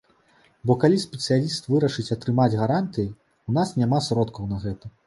Бо калі спецыяліст вырашыць атрымаць гарантыі, у нас няма сродкаў на гэта.